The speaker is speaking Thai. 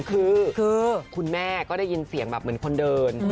คือคุณแม่ก็ได้ยินเสียงแบบเหมือนคนเดิน